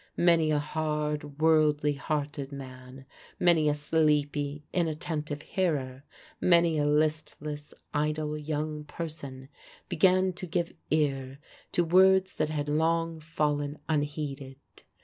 Many a hard, worldly hearted man many a sleepy, inattentive hearer many a listless, idle young person, began to give ear to words that had long fallen unheeded.